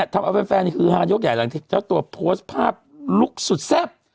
ท้อมเอาเป็นแฟนคือหารยกใหญ่หลังที่เจ้าตัวโพสต์ภาพลุกสุดแซ่บ